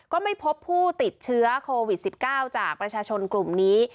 ก็ไม่พบผู้ติดเชื้อโควิด๑๙จากประชาชนกลุ่มนี้